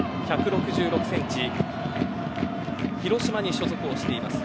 １６６センチ広島に所属をしています